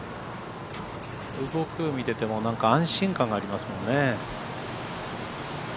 動きを見てても安心感がありますもんね。